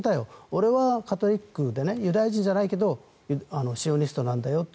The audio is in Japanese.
俺はカトリックでユダヤ人じゃないけどシオニストなんだよって。